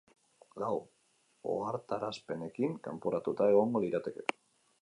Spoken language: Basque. Lau ohartarazpenekin kanporatuta egongo lirateke.